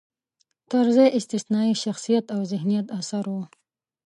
طرزی استثنايي شخصیت او ذهینت اثر و.